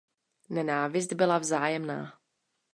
Nenávist byla vzájemná.